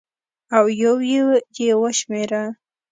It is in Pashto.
او یو یو یې وشمېره